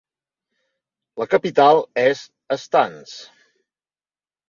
La capital és Stans.